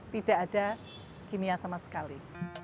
tidak ada kimia sama sekali